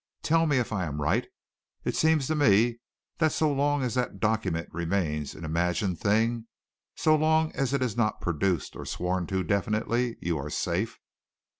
Tell me if I am right! It seems to me that so long as that document remains an imagined thing, so long as it is not produced or sworn to definitely, you are safe."